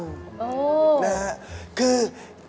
โอ้โฮนะฮะคือ